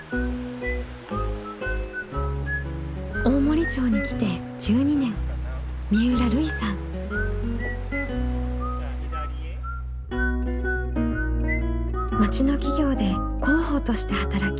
大森町に来て１２年町の企業で広報として働き